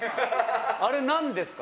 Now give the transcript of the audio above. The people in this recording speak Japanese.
あれなんですか？